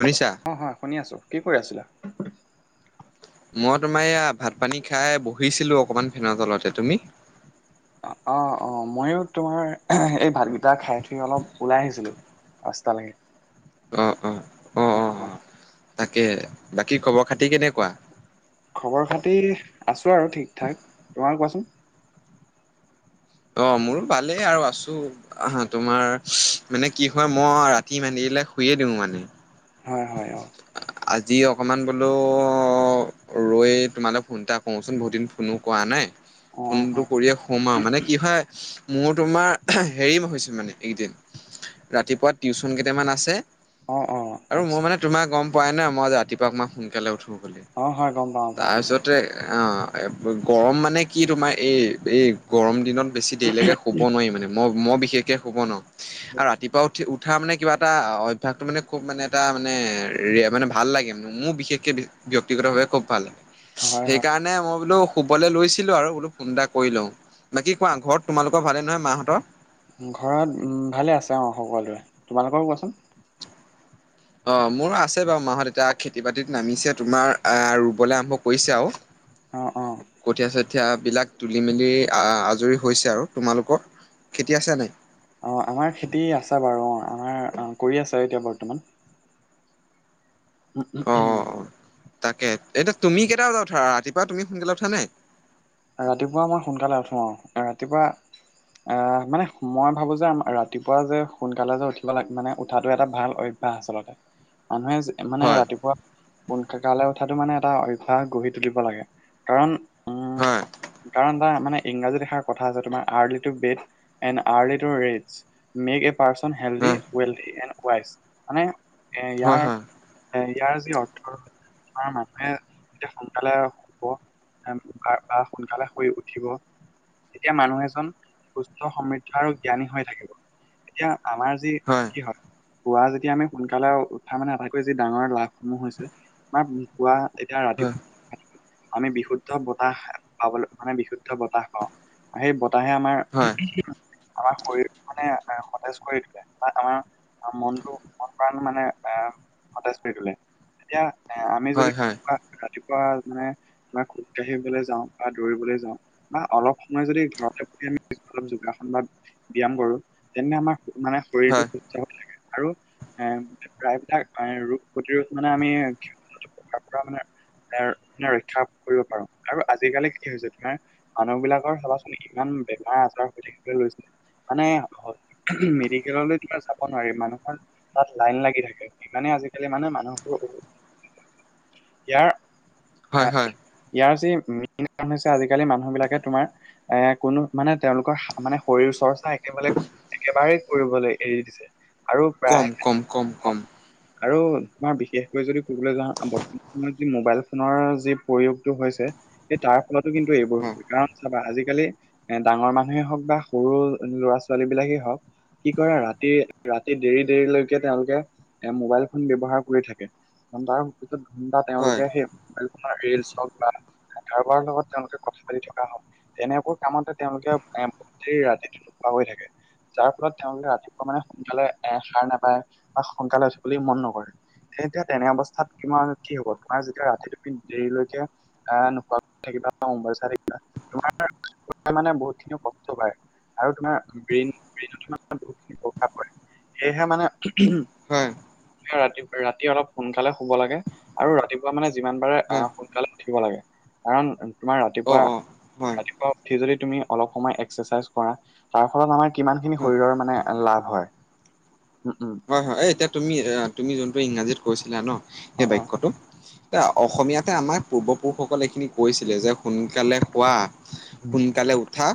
শুনিছা। অ' হয় শুনি আছোঁ, কি কৰি আছিলা। মই তোমাৰ এইয়া ভাত পানী খাই বহিছিলো অকণমান ফেনৰ তলতে তুমি। অ' অ' মইও তোমাৰ এই ভাতকেইটা খাই উঠি অলপ ওলাই আহিছিলো। ৰাস্তালেকে। অ' অ'। অ' অ'। তাকে, বাকী খবৰ খাতি কেনেকুৱা? খবৰ খাতি আছো আৰু ঠিক থাক। তোমাৰ কোৱাচোন? অ' মোৰো ভালেই আৰু আছোঁ। অহ্ তোমাৰ মানে কি হয়, মই ৰাতি ইমান দেৰিলে শুয়ে দিওঁ মানে। হয় হয় অঁ আজি অকমান বোলো ৰৈ তোমালৈ ফোন এটা কওঁচোন বহুত দিন ফোনো কৰা নাই অ' ফোনটো হয় হয় কৰিয়ে সোম আৰু মানে কি হয় মোৰ তোমাৰ হেৰি হৈছে মানে এইকেইদিন ৰাতিপুৱা টিউচন কেইটামান আছে অ অ আৰু মোৰ আচ্ছা মানে তোমাৰ গম পোৱাই নাই মই ৰাতিপুৱা মই সোনকালে উঠো বুলি অ' হয় গম পাওঁ পাওঁ বোলো। তাৰপিছতে আহ গৰম মানে কি তোমাৰ এই এই গৰম দিনত বেছি দেৰিলৈকে শুব নোৱাৰি মানে মই মই বিশেষকে শুব নোৱাৰো আৰু ৰাতিপুৱা উঠি উঠা মানে কিবা এটা অভ্য়াসতটো মানে খুব মানে এটা মানে, মানে ভাল লাগে ম, মোৰ বিশেষকে ব্যক্তিগত ভাৱে খুব ভাল লাগে। হয় হয় সেইকাৰণে মই বোলো শুবলৈ লৈছিলো আৰু বোলো ফোন এটা কৰি লওঁ। বাকী কোৱা ঘৰত তোমালোকৰ ভালে নহয়, মাহঁতৰ। ঘৰত ভালে আছে অ' সকলোৰে, তোমালোকৰো কোৱাচোন। অ' মোৰ আছে বাৰু মাহত এতিয়া খেতি বাতিত নামিছে, তোমাৰ আ ৰুবলৈ আৰম্ভ কৰিছে আৰু। [inaudible] অ অ কঠীয়া চঠিয়াবিলাক তুলি মেলি আজৰি হৈছে আৰু তোমালোকৰ খেতি আছ নাই অ আমাৰ খেতি আছে বাৰু অ আমাৰ অ কৰি আছে এতিয়া বৰ্তমান উম উম অ উম তাকে এতিয়া তুমি কেইটা বজাত উঠা ৰাতিপা তুমি সোনকালে উঠা নে ৰাতিপুৱা আমাৰ সোনকালে উঠো আৰু ৰাতিপুৱা মানে মই ভাবোঁ যে ৰাতিপুৱা যে সোনকালে যে উঠিব লাগে মানে উঠাটো এটা ভাল অভ্য আচলতে মানুহে মানে হয় ৰাতিপুৱা সোনক কালে উঠাতটো মানে এটা অভ্য়াস গঢ়ি তুলিব লাগে কাৰণ উম হয় কাৰণ তাৰ মানে ইংৰাজী লিখাৰ কথা আছে তোমাৰ early to bed early to rise make a person healthy হয় ৱেলডি এণ্ড ৱাইচ মানে হয় ইয়াৰ ইয়াৰ যি অৰ্থ আমাৰ মানুহে এতিয়া সোনকালে শুব বা সোনকালে শ উঠিব এতিয়া মানুহ এজন সুস্থ সমৃদ্ধ আৰু জ্ঞানী হৈ থাকিব এতিয়া আমাৰ কি হয় পুৱা যেতিয়া আমি সোনকালে উঠা মানে আটাইকৈ যি ডাঙৰ লাভসমূহ হৈছে আমাৰ কুৱা এতিয়া হয় ৰাতিপুৱা আমি বিশুদ্ধ বতাহ পাবলৈ মানে বিশুদ্ধ বতাহ পাওঁ আৰু সেই বতাহে আমাৰ হয় হয় আমাৰ শৰীৰ মানে সতেজ কৰি তোলে বা আমাৰ মনটো মন প্ৰাণ মানে এ সতেজ কৰি তোলে। এতিয়া এ আমি যদি হয় হয় ৰাতিপুৱা মানে খোজ কাঢ়িবলে যাওঁ বা দৌৰিবলৈ যাওঁ বা অলপ সময় যদি ঘৰতে পঢ়ি আমি অলপ যোগাসন ব্যায়াম ব্যায়াম কৰো তেন্তে আমাৰ মানে হয় শৰীৰটো আৰু এ প্ৰায়বিলাক ৰোগ প্ৰতিৰোধ মানে আমি পৰা মানে এ ৰক্ষা কৰিব পাৰো আৰু আজি আজিকালি কি হৈছে তোমাৰ মানুহ বিলাকৰ চবাচোন ইমান বেমাৰ-আজাৰ হৈ থাকিবলৈ লৈছিল। মানে মেডিকেললৈ তোমাৰ যাব নোৱাৰি মানুহৰ তাত লাইন লাগি থাকে সিমানে আজিকালি মানে মানুহবোৰ হয় ইয়াৰ হয় ইয়াৰ যি [inaudible] হৈছে আজিকালি মানুহ বিলাকে তোমাৰ এ কোনো মানে তেওঁলোকৰ মানে শৰীৰ চৰ্চা একেবাৰে একেবাৰেই কৰিবলৈ এৰি দিছে আৰু কম প্ৰায় কম কম কম আৰু আমাৰ বিশেষকৈ যদি ক'বলৈ যাওঁ বৰ্তমান সময়ত যি মোবাইল ফোনৰ যি প্ৰয়োগটো হৈছে সেই তাৰ ফলতো কিন্তু এইবোৰ হৈ হয় হৈছে কাৰণ চাবা আজিকালি এ ডাঙৰ মানুহেই হওক বা সৰু ল'ৰা ছোৱালী বিলাকেই হওক কি কৰে ৰাতি ৰাতি দেৰি দেৰিলৈকে তেওঁলোকে এ মোবাইল ফোন ব্যৱহাৰ কৰি থাকে। [inaudible] তেওঁলোকে সেই হয় মোবাইল ফোনৰ ৰিলচ হওক বা কাৰোবাৰ লগত তেওঁলোকে কথা পাতি থকা হয়। তেনেকুৱা কামতে তেওঁলোকে এ ৰাতিটোত নোখোৱাকৈ থাকে। যাৰ ফলত তেওঁলোকে ৰাতিপুৱা মানে সোনকালে এ সাৰ নাপায় বা সোনকালে উঠিবলৈ মন নকৰে। তেতিয়া তেনে অৱস্থাত কিমান কি হ'ব তোমাৰ যেতিয়া ৰাতি টোপনি দেৰিলৈকে এ নোহোৱা। [unintelligible] মানে বহুত খিনিও কষ্ট পায় আৰু তোমাৰ ব্ৰেইন ব্ৰেইন বহুত খিনি প্ৰভাৱ পৰে। সেয়েহে মানে হয় ৰাতি ৰাতি অলপ সোনকালে শুব লাগে। আৰু ৰাতিপুৱা মানে যিমান পাৰা অ হয় সোনকালে উঠিব লাগে। কাৰণ তোমাৰ অ ৰাতিপুৱা অ হয় ৰাতিপুৱা উঠি যদি তুমি অলপ সময় এক্সাৰচাইজ কৰা। তাৰ ফলত আমাৰ কিমান খিনি হয় শৰীৰৰ মানে লাভ হয় উম উম। হয় হয় এই এতিয়া তুমি তুমি যোনটো ইংৰাজীত কৈছিলা ন অ সেই অ। বাক্যটো। এ অসমীয়াতে আমাৰ পূৰ্বপুৰুষসকল এইখিনি কৈছিলে যে‌ সোনকালে সোনকালে খোৱা উম সোনকালে উঠা।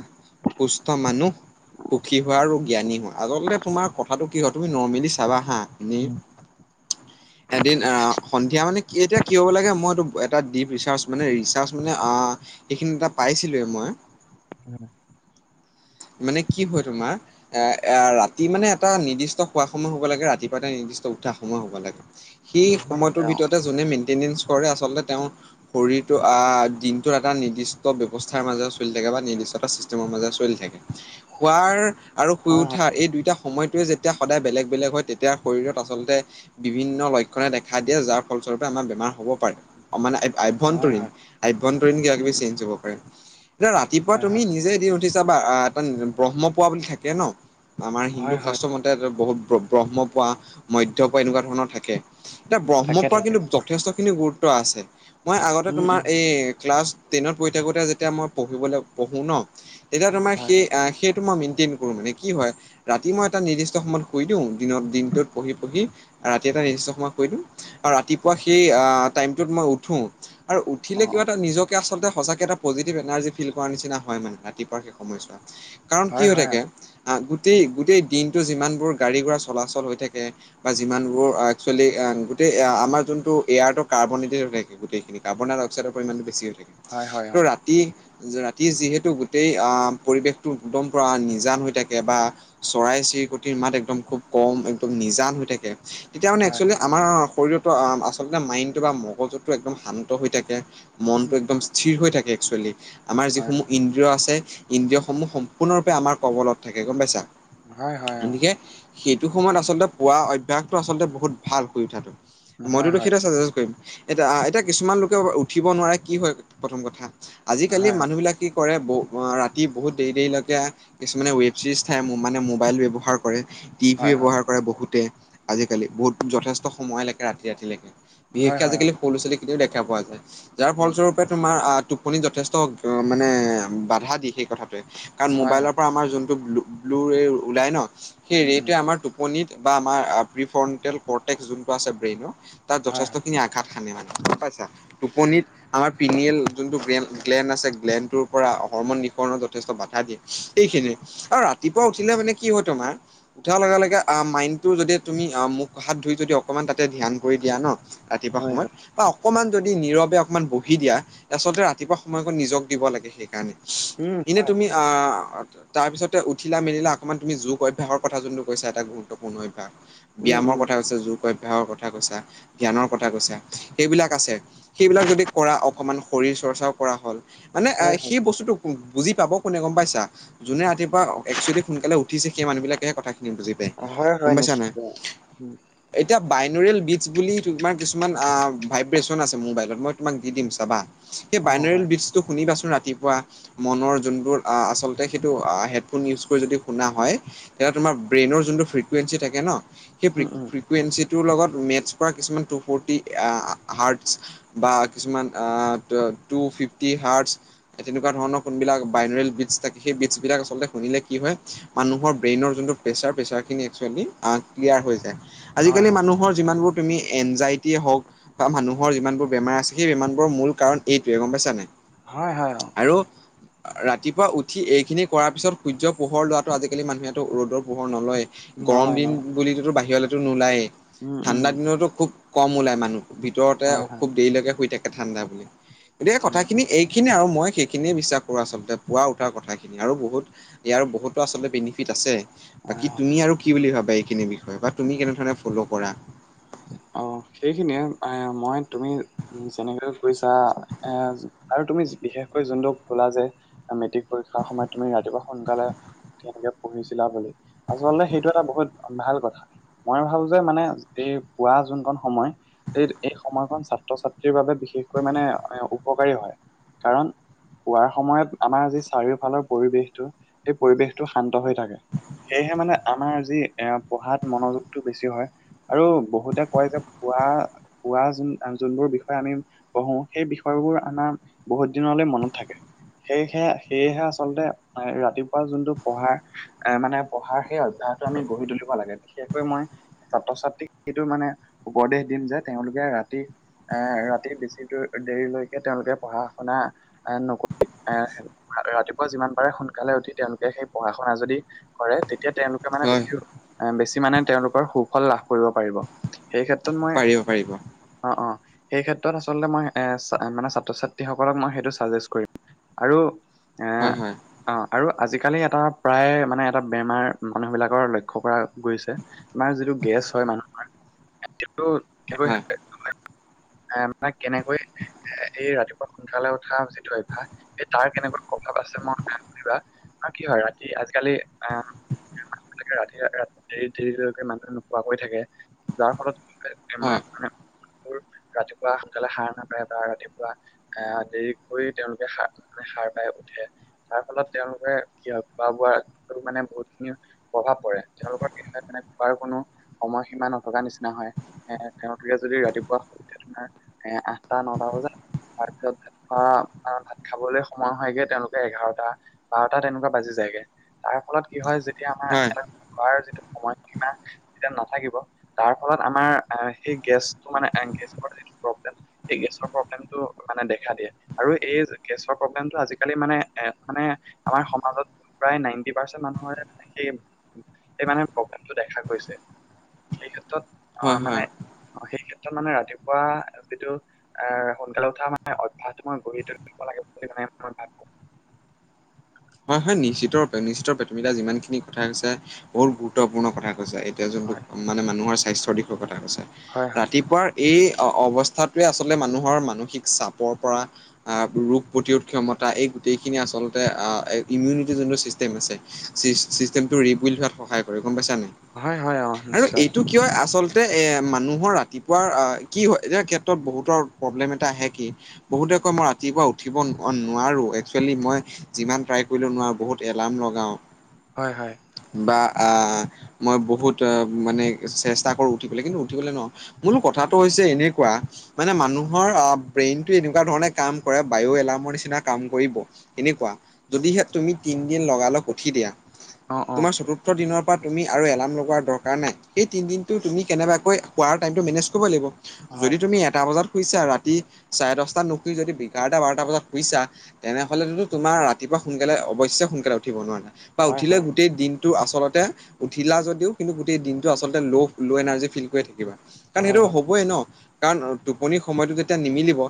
সুস্থ মানুহ সুখী হোৱা আৰু জ্ঞানী হোৱা আচলতে তোমাৰ কথাটো কি হয় তুমি নৰ্মেলি মেলি চাবা হা এনেই উম এদিন সন্ধিয়া মানে এতিয়া কি হ'ব লাগে মইতটো এটা ডিপ ৰিচাৰ্জ মানে ৰিচাৰ্জ মানে এইখিনি এটা পাইছিলোৱে মই হয় [inaudible] মানে কি হয় তোমাৰ এ এ ৰাতি মানে এটা নিৰ্দিষ্ট খোৱা সময় হব লাগে ৰাতিপুৱা এটা নিৰ্দিষ্ট উঠা সময় হব লাগে। সেই সময়টোৰ ভিতৰতে যোনে মেইনটেনেঞ্চ কৰে আচলতে তেওঁ শৰীৰটো দিনটোৰ এটা নিৰ্দিষ্ট ব্যৱস্থাৰ মাজেৰেও চলি থাকে বা নিৰ্দিষ্ট এটা ছিষ্টেমৰ মাজেৰে চলি থাকে। খোৱাৰ আৰু শুই হয় হয় উঠা এই দুইটা সময়টোৱে যেতিয়া যেতিয়া সদায় বেলেগ বেলেগ হয় তেতিয়া শৰীৰত আচলতে বিভিন্ন লক্ষণে দেখা দিয়ে যাৰ ফলস্বৰূপে আমাৰ বেমাৰ হব পাৰে মানে আই হয় আভ্যন্তৰীণ হয়। আভ্যন্তৰীণ কিবা উম কিবি উম চেঞ্জ হব পাৰে এতি ৰা ৰাতিপুৱা হয় তুমি হয় নিজে এদিন উঠি চাবা এটা আ ব্ৰহ্ম পুৱা বুলি থাকে ন আমাৰ হিন্দু হয় হয় শাস্ত্ৰ মতে বহুত ব্ৰ ব্ৰহ্মপুৱা মধ্যপুৱা এনেকুৱা ধৰণৰ থাকে এতিয়া থাকে ব্ৰহ্মপুৱা থাকে কিন্তু যথেষ্টখিনি গুৰুত্ব আছে মই আগতে উম তোমাৰ উম এই ক্লাছ ট্ৰেইনত পৰি থাকোতে যেতিয়া মই পঢ়িবলৈ পঢ়ো ন তেতিয়া তোমাৰ হয় সেই হয় সেইটো মই মিনতে নকৰো মানে কি হয় ৰাতি মই এটা নিৰ্দিষ্ট সময়ত শুই দিওঁ দিনত দিনটোত পঢ়ি পঢ়ি ৰাতি এটা নিৰ্দিষ্ট সময়ত শুই দিওঁ আৰু ৰাতিপুৱা সেই আ টাইমটোত মই উঠো আৰু অ উঠিলে কিবা অ এটা নিজক তিয়া আচলতে সঁচাকে এটা পজিটিভ এনাৰ্জি ফিল কৰাৰ নিচিনা হয় মানে ৰাতিপুৱা সেই সময়ছোৱা কাৰণ কি হয় হৈ হয় থাকে আ গোটেই গোটেই দিনটো যিমানবোৰ গাড়ী ঘুৰা চলাচল হৈ থাকে বা যিমান বোৰ একচুৱেলি আ গোটেই আমাৰ যোনটো এয়াৰত কাৰ্বোনেটি হৈ থাকে গোটেইখিনি কাৰ্বন ডাইক্সাইৰ পৰিমাণটো বেছি হৈ থাকে হয় হয় ত' অ ৰাতি ৰাতি যিহেতু গোটেই আ পৰিৱেশটো একদম পোৰা নিজান হৈ থাকে বা চৰাই চিৰিকটিৰ মাত একদম খুব কম একদম নিজান হৈ থাকে তেতিয়া মানে হয় একচুৱেলি আমাৰ শৰীৰতো আ আচলতে মাইণ্ডটো বা মগজুো একদম শান্ত হৈ থাকে মনটো উম, একদম স্থিৰ হৈ থাকে একচুৱেলি আমাৰ হয় যিসমূহ ইন্দ্ৰিয় আছে ইন্দ্ৰিয় সমূহ সম্পূৰ্ণৰূপে আমাৰ কবলত থাকে গম পাইছা হয় হয় অ গতিকে সেইটো সময়ত আচলতে পুৱা অভ্যাসটো আচলতে বহুত ভাল শুই উঠাটো হয় মইতোতো হয় সেইটো চাচাইজ কৰিম এতিয়া এতিয়া কিছুমান লোকে উঠিব নোৱাৰে কি হয় প্ৰথম কথা আজিকালি হয় মানুহবিলাক কি কৰে ব আ ৰাতি বহুত দেৰি দেৰিলগে কিছুমানে ৱেব ছিৰিজ চাই মো মানে মোবাইল ব্যৱহাৰ কৰে টিভি হয় ব্যৱহাৰ ক কৰে বহুতে আজিকালি বহুত যথেষ্ট সময় লেকে ৰাতি ৰাতিলেকে হয় হয় বিশেষকে হয় অ আজিকালি সৰু লৰা-ছোৱালীকেটাও দেখা পোৱা যায় যাৰ উম ফলস্বৰূপ বা তোমাৰ আহ টোপনি যথেষ্ট মানে বাধা দি সেই কথাটোৱে কাৰণ হয় মোবাইলৰ হয় পা আমাৰ যোনটো ব্লু ব্লু ৰে ওলাই ন সেই উম উম ৰেটোৱে আমাৰ টো পনিট বা আমাৰ প্ৰিফনন্টেল প্ৰটেক্ট যোনটো আছে ব্ৰেনৰ তাত হয় যথেষ্ট হয় খিনি আ ঘাত সানে মানে গম পাইছা টোপনিত আমাৰ পিমিয়েল যোনটো গেন গ্লেন আছে গ্লেনটোৰ পৰা হৰমন নিকণৰ যথেষ্ট বাধা দিয়ে এইখিনিয়ে আৰু ৰাতিপুৱা উঠিলে মানে কি হয় তোমাৰ উঠাৰ লগে লগে আ মাইণ্ডটো যদি তুমি মোক হাত ধুই যদি অকমান তাতে ধ্যান কৰি দিয়া ন ৰাতিপুৱা হয় হয় সময়ত বা অকমান যদি নীৰৱে অকমান বহি দিয়া আচলতে ৰাতিপুৱা সময়ক নিজক দিব লাগে সেইকাৰণে উম এনে হয় তুমি আ আতে তাৰপিছতে উঠিলা মেলিলা অকণমান তুমি যোগ অভ্যাসৰ কথা যোনটো কৈছা এটা গুৰুত্বপূৰ্ণ অভ্যাস উম ব্যায়ামৰ উম কথা কৈছা যোগ অভ্যাসৰ কথা কৈছা জ্ঞানৰ কথা কৈছা সেইবিলাক আছে সেইবিলাক যদি কৰা অকমান শৰীৰ চৰ্চাও কৰা হ'ল মানে হয় সেই বস্তুটো কোন বুজি পাব কোনে গম পাইছা যোনে ৰাতিপুৱা একচুৱেলি সোনকালে উঠিছে সেই মানুহিলাকে কথা খিনি বুজি হয় হয় গম হয় পাইছা নাই নিশ্চয় উম এতিয়া বাইনোয়েল বিটছ্ বুলি তোমাৰ কিছুমান আ ভাইব্ৰেচন আছে মোবাইলত মই তোমাক দি দিম চাবা সেই অ বাইনোৰেল হয় বিজটো শুনিবাচোন ৰাতিপুৱা মনৰ যোনবোৰ আ আচলতে সেইটো আ হেডফোন ইউজ কৰি যদি শুনা হয়। তেতিয়া তোমাৰ ব্ৰেইনৰ যোনটো ফ্ৰিকুৱেঞ্চি থাকে ন, সেই- উম উম ফ্ৰিকুৱেঞ্চিটোৰ লগত মেথছ পৰা কিছুমান টু ফৰ্টি হাৰ্ডছ- বা কিছুমান আহ টু ফিফটি হাৰট, তেনেকুৱা ধৰণৰ- কোনবিলাক বাইনৰিল বিটছ থাকে। সেই বিটছ বিলাক আচলতে শুনিলে কি হয়, মানুহৰ ব্ৰেইনৰ যোনটো- প্ৰেচাৰ প্ৰেচাৰখিনি একচুৱেলি ক্লিয়াৰ হৈ যায়। হয় আজিকালি হয় মানুহৰ যিমানবোৰ- তুমি এনজাইটিয়ে হওঁক- বা মানুহৰ যিমানবোৰ বেমাৰ আছে, সেই বেমাৰবোৰৰ মূল কাৰণ এইটোৱে গম পাইছা নাই। হয় হয়, অঁ। আৰু- ৰাতিপুৱা উঠি এইখিনি কৰাৰ পিছত সূৰ্য পোহৰ লোৱাটো আজিকালি মানুহেতো ৰ'দৰ পোহৰ নলয়। গৰম নলয় দিন নলয় বুলিতো বাহিৰলেতো নোলায়েই, উম উম ঠাণ্ডা দিনততো খুব কম ওলাই মানুহ। ভিতৰতে হয় হয় খুব দেৰিলৈকে শুই থাকে ঠাণ্ডা বুলি। গতিকে উম কথাখিনি এই- খিনিয়ে আৰু মই সেইখিনিয়ে বিশ্বাস- আচলতে পুৱা উঠা কথাখিনি আৰু বহুত ইয়াৰ বহুতো আচলতে বেনিফিট আছে। হয় বাকী হয় তুমি আৰু কি বুলি ভাবা এইখিনি বিষয়ে বা তুমি কেনেধৰণে ফ'ল' কৰা। অঁ সেইখিনিয়ে মই, তুমি- উম যেনেকৈ কৈছা এ আৰু তুমি বিশেষকৈ যোনটোক কলা যে- মেট্ৰিক পৰীক্ষাৰ সময়ত তুমি ৰাতিপুৱা সোনকালে- তেনেকে পঢ়িছিলা বুলি। আচলতে সেইটো এটা বহুত ভাল কথা। মই ভাবো যে মানে- এই পোৱা যোনকন সময়- এই এই সময়কন ছাত্ৰ ছাত্ৰীৰ বাবে বিশেষকৈ মানে উপকাৰী হয়। কাৰণ- পোৱাৰ সময়ত আমাৰ যি চাৰিওফালৰ পৰিৱেশটো- সেই পৰিৱেশটো শান্ত হৈ থাকে। সেয়েহে মানে আমাৰ যি এ পঢ়াত মনোযোগটো বেছি হয়। আৰু বহুতে কয় যে পুৱা পুৱা যে যোনবোৰ বিষয়ে আমি- পঢ়ো সেই বিষয়বোৰ আমাৰ বহুত দিনলৈ মনত থাকে। সেয়েহে সেয়েহে আচলতে ৰাতিপুৱা যোনটো পঢ়াৰ এ মানে পঢ়াৰ সেই অভ্যাস- আমি গঢ়ি তুলিব লাগে, বিশেষকৈ মই ছাত্ৰ ছাত্ৰী- এইটো মানে উপদেশ দিম যে তেওঁলোকে ৰাতি- আহ ৰাতি বেছি দেৰিলৈকে তেওঁলোকে পঢ়া শুনা নকৰি আহ- ৰাতিপুৱা যিমান পাৰে সোনকালে উঠি তেওঁলোকে সেই পঢ়া শুনা যদি- কৰে, তেতিয়া তেওঁলোকে মানে হয় বেছি আ বেছি মানে তেওঁলোকৰ সুফল লাভ কৰিব পাৰিব। সেই ক্ষেত্ৰত মই- পাৰিব পাৰিব অঁ অঁ, সেই ক্ষেত্ৰত আচলতে মই এ মানে ছাত্ৰ ছাত্ৰীসকলক সেইটো মই চাজেষ্ট কৰিম। আৰু এ- হয় হয় অঁ আৰু আজিকালি এটা প্ৰায় মানে এটা বেমাৰ মানুহ বিলাকৰ লক্ষ্য কৰা গৈছে- আমাৰ যিটো গেছ হয় মানুহৰ সেইটো- হয় এ মানে কেনেকৈ- এ এই ৰাতিপুৱা সোনকালে উঠা যিটো অভ্যাস, এই তাৰ কেনেকুৱা প্ৰভাৱ আছে মই শুনিবা- অঁ কি হয় ৰাতি, আজিকালি অঁ- ৰাতি ৰা দে দেৰিকে মানুহে নোখোৱাকৈ থাকে, যাৰ ফলত কি- মা হয় হয় মা মানুহবোৰ ৰাতিপুৱা সোনকালে সাৰ নাপায় বা ৰাতিপুৱা- আহ দেৰি কৰি তেওঁলোকে সাৰ মানে সাৰ পাই উঠে। তাৰ ফলত তেওঁলোকে কি হয় খোৱা বোৱা মানে বহুতখিনি- প্ৰভাৱ পৰে। তেওঁলোকৰ কেতিয়া তেনে খোৱাৰ কোনো- সময়সীমা নথকা নিচিনা হয়, এ তেওঁলোকে যদি ৰাতিপুৱা- আমাৰ এ আঠটা নটা বজাত- তাৰ পিছত ভাত খোৱা ভাত খাবলৈ সময় হয়গে তেওঁলোকে এঘাৰটা- বাৰটা তেনেকুৱা বাজি যায়গে তাৰ ফলত কি হয় যে- তিয়া হয় আমাৰ ঘৰ যিটো সময়সীমা- যেতিয়া নাথাকিব তাৰ ফলত আমাৰ সেই গেছটো মানে গেছৰ যিটো প্ৰব্লেম- এই গেছৰ প্ৰব্লেমটো মানে দেখা দিয়ে। আৰু এই গেছৰ প্ৰব্লেমটো আজিকালি মানে এ মানে আমাৰ সমাজত- প্ৰায় নাইনটি পাৰ্চেন্ট মানুহৰে সেই সেই মানুহে প্ৰব্লেমটো দেখা গৈছে। সেই ক্ষেত্ৰত অঁ, মানে হয় সেই ক্ষেত্ৰত মানে ৰাতিপুৱা যিটো- আহ' সোনকালে উঠা মানে অভ্যাসটো মানে গঢ়ি তুলিব লাগে বুলি মানে মই ভাবোঁ। হয় হয়, নিশ্চিত ৰূপে নিশ্চিত ৰূপে তুমি এতিয়া যিমান খিনি কথা কৈছে বহুত গুৰুত্বপূৰ্ণ কথা কৈছে। এতিয়া যোনটো হয় মানে মানুহৰ স্বাস্থ্যৰ দিশৰ কথা কৈছা, হয় হয় ৰাতিপুৱাৰ- এই অৱস্থাটোৱে আচলতে মানুহৰ মানসিক চাপৰ পৰা- আহ' ৰোগ প্ৰতিৰোধ ক্ষমতা এই গোটেইখিনি আচলতে আহ'- ইমিউনিটি যোনটো চিষ্টেম আছে, চি চিষ্টেমটো ৰিবিল্ড হোৱাত সহায় কৰে গম পাইছা নাই। হয় হয় অ আৰু নিশ্চয় এইটো কিয় আচলতে- তে এ মানুহৰ ৰাতিপুৱা কি হয় এতিয়া ক্ষেত্ৰত বহুতৰ প্ৰব্লেম এটা আহে কি- বহুতে কয় মই ৰাতিপুৱা উঠিব নোৱাৰো একচুৱেলি মই যিমান- ট্ৰাই কৰিলে নোৱাৰো বহুত এলাৰ্ম লগাওঁ- হয় হয়। বা আহ' মই বহুত মানে চেষ্টা কৰো উঠিবলৈ কিন্তু উঠিবলৈ নোৱাৰো। মূল কথাটো হৈছে এনেকুৱা- মানে মানুহৰ আহ' ব্ৰেইনটো এনেকুৱা ধৰণে কাম কৰে বায়ো' এলাৰ্মৰ নিচিনা কাম কৰিব। এনেকুৱা যদিহে তুমি তিনদিন লগালগ উঠি দিয়া অ অ তোমাৰ চতুথ- দিনৰ পৰা তুমি আৰু এলাৰ্ম লগোৱাৰ দৰকাৰ নাই, সেই তিনদিনটো তুমি কেনেবাকৈ- হোৱাৰ টাইমটো মনেজ কৰিব লাগিব, হয় যদি তুমি এটা বজাত শুইছা ৰা- তি চাৰে দহটাত নুশুই যদি ইঘাৰটা বাৰটা বজাত শুইছা তেনে হ'লেটো তোমাৰ ৰাতি- ৰাতিপুৱা সোনকালে অৱশ্যে সোনকালে উঠিব নোৱাৰা বা হয় উঠিলে হয় গোটেই দিন- টো আচলতে উঠিলা যদিও কিন্তু গোটেই দিনটো আচলতে ল' ল' এনাৰ্জি ফিল কৰি থাকিবা। কাৰণ হয় হয় সেইটো হবই ন কাৰণ টোপনি সময়টো যেতিয়া নিমিলিব-